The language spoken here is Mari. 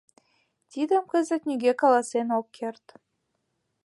Тидым кызыт нигӧ каласен ок керт.